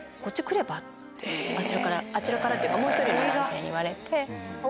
ってあちらからあちらからっていうかもう１人の男性に言われて。